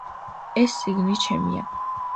ეს წიგნი ჩემია